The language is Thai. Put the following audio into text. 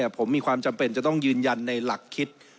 ผมมีความจำเป็นจะต้องยืนยันในหลักคิด